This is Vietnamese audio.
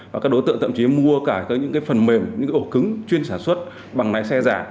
và các đối tượng thậm chí mua cả những phần mềm những cái ổ cứng chuyên sản xuất bằng lái xe giả